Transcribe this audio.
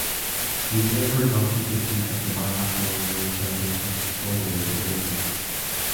He never got to compete at the Biathlon World Championships or the Winter Olympics.